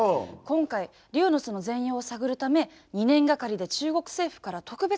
今回「龍の巣」の全容を探るため２年がかりで中国政府から特別な許可をとり。